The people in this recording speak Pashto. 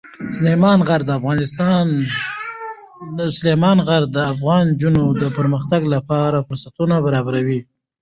سلیمان غر د افغان نجونو د پرمختګ لپاره فرصتونه برابروي.